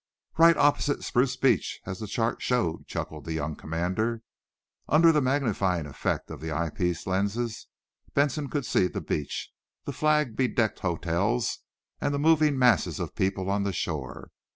"Right opposite Spruce Beach, as the chart showed!" chuckled the young commander. Under the magnifying effect of the eyepiece lens Benson could see the beach, the flag bedecked hotels, and the moving masses of people on the shore.